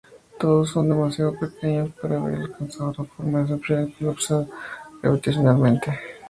Todos son demasiado pequeños para haber alcanzado una forma esferoidal colapsada gravitacionalmente.